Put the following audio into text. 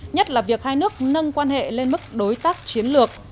nhất là việc hai nước nâng quan hệ lên mức đối tác chiến lược